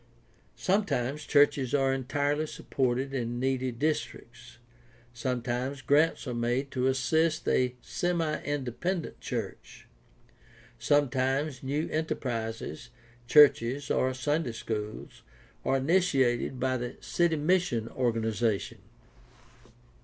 Sometimes churches are entirely supported in needy districts. Sometimes grants are made to assist a semi independent church. Sometimes new enterprises, churches, or Sunday schools are initiated by the city mission organization.